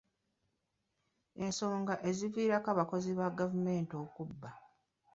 Ensonga eziviirako abakozi ba gavumenti okubba.